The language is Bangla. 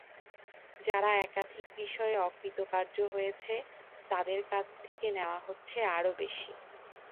যারা একাধিক বিষয়ে অকৃতকার্য হয়েছে, তাদের কাছ থেকে নেওয়া হচ্ছে আরও বেশি।